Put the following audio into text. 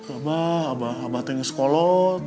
abah abah abah teh ngeskolot